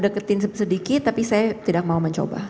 deketin sedikit tapi saya tidak mau mencoba